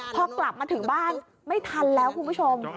พอกลับมาถึงบ้านไม่ทันแล้วคุณผู้ชม